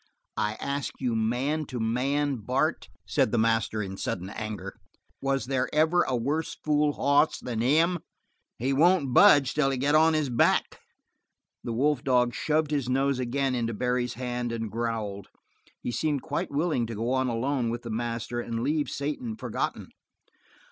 "I ask you man to man, Bart," said the master in sudden anger, "was there ever a worse fool hoss than him? He won't budge till I get on his back." The wolf dog shoved his nose again into Barry's hand and growled. He seemed quite willing to go on alone with the master and leave Satan forgotten.